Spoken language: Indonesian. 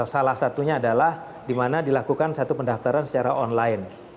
salah satunya adalah di mana dilakukan satu pendaftaran secara online